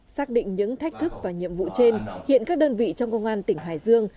xác định những thách thức và nhiệm vụ trên hiện các đơn vị trong công an tỉnh hải dương